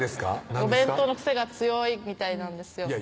お弁当の癖が強いみたいなんですよ